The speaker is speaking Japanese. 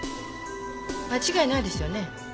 間違いないですよね？